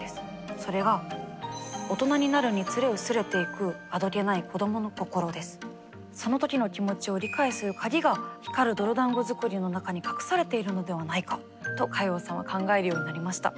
それはその時の気持ちを理解する鍵が光る泥だんご作りの中に隠されているのではないかと加用さんは考えるようになりました。